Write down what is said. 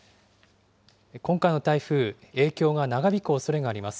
今回の台風、影響が長引くおそれがあります。